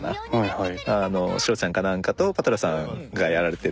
はい。